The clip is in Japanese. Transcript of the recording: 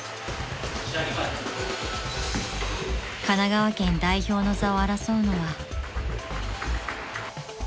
［神奈川県代表の座を争うのは］